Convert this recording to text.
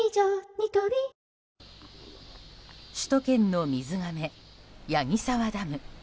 ニトリ首都圏の水がめ、矢木沢ダム。